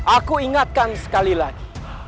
aku ingatkan sekali lagi